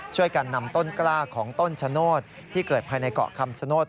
ช่วยกันนำต้นกล้าของต้นชะโนธที่เกิดภายในเกาะคำชโนธ